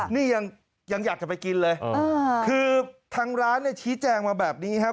นี่ยังอยากจะไปกินเลยคือทางร้านเนี่ยชี้แจงมาแบบนี้ครับ